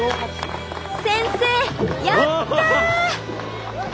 先生やった！